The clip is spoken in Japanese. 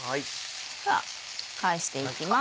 では返していきます。